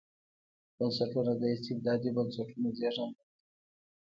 بنسټونه د استبدادي بنسټونو زېږنده ده.